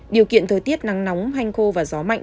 điều kiện thời tiết nắng nóng hanh khô và gió mạnh